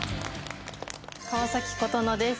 川崎琴之です。